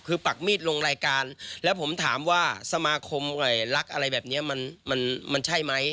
คือปักมีดลงรายการแล้วผมถามว่าสมาคมรักอะไรแบบนี้มันใช่ไหม